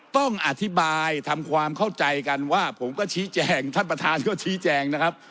ต้องอธิบายทำความเข้าใจกันว่าผมก็ชี้แจงท่านประธานก็ชี้แจงนะครับ